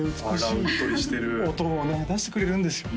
うっとりしてる音をね出してくれるんですよ